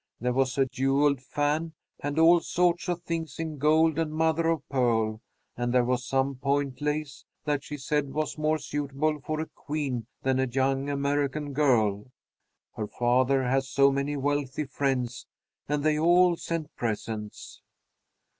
There was a jewelled fan, and all sorts of things in gold and mother of pearl, and there was some point lace that she said was more suitable for a queen than a young American girl. Her father has so many wealthy friends, and they all sent presents.